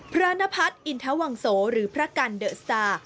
พระนพัฒน์อินทวังโสหรือพระกันเดอะซา